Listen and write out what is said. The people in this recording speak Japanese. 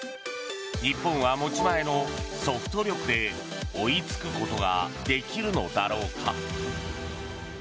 日本は持ち前のソフト力で追いつくことができるのだろうか。